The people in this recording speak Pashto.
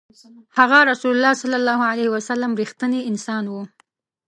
هغه ﷺ رښتینی انسان و.